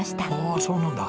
ああそうなんだ。